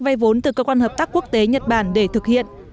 vay vốn từ cơ quan hợp tác quốc tế nhật bản để thực hiện